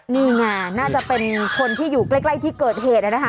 นี่ไงน่าจะเป็นคนที่อยู่ใกล้ที่เกิดเหตุนะคะ